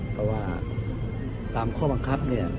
ก็ว่าตามข้อมังครับเนี่ย